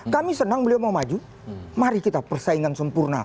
kami senang beliau mau maju